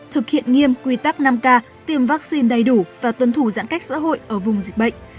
thực hiện nghiêm quy tắc năm k tiêm vaccine đầy đủ và tuân thủ giãn cách xã hội ở vùng dịch bệnh